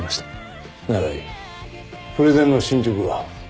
プレゼンの進捗は？